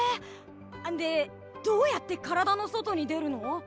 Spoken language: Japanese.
でどうやって体の外に出るの？